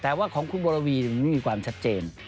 แต่ว่าของคุณวรวีไม่มีความชัดเจน